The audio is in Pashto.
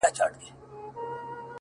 • بې نوره ورځي بې شمعي شپې دي ,